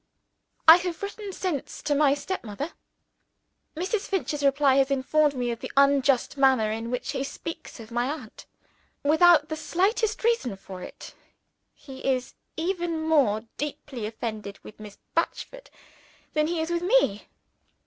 I have written since to my step mother. Mrs. Finch's reply has informed me of the unjust manner in which he speaks of my aunt. Without the slightest reason for it, he is even more deeply offended with Miss Batchford than he is with me!